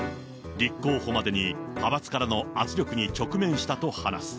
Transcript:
立候補までに派閥からの圧力に直面したと話す。